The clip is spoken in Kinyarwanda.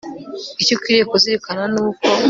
icyo ukwiriye kuzirikana ni uko